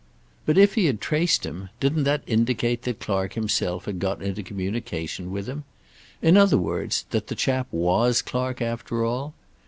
But if he had traced him, didn't that indicate that Clark himself had got into communication with him? In other words, that the chap was Clark, after all?